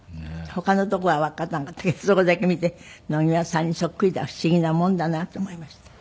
他のとこはわかんなかったけどそこだけ見て野際さんにそっくりだ不思議なもんだなと思いました。